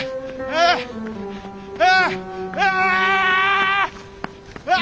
ああ！